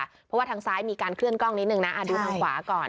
เพราะว่าทางซ้ายมีการเคลื่อกล้องนิดนึงนะดูทางขวาก่อน